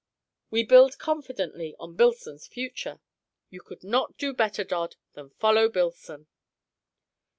We build confidently on Billson's future. You could not do better, Dodd, than follow Billson."